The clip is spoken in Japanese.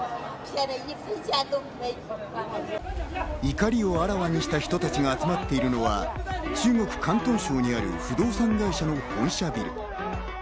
怒りをあらわにした人たちが集まっているのは、中国・広東省にある不動産会社の本社ビル。